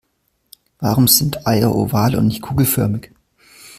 Warum sind Eier oval und nicht kugelförmig?